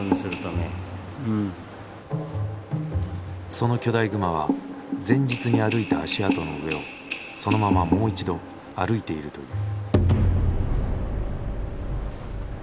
その巨大熊は前日に歩いた足跡の上をそのままもう一度歩いているという。